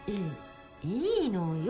いいのよ。